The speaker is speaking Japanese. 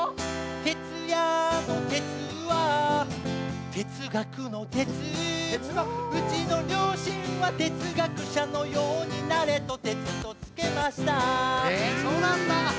哲也の「哲」は哲学の「哲」うちの両親は哲学者のようになれと「哲」とつけましたへえそうなんだ。